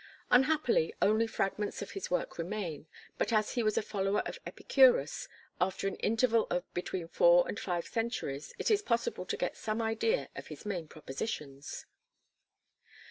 Unhappily only fragments of his work remain, but as he was a follower of Epicurus after an interval of between four and five centuries, it is possible to get some idea of his main propositions.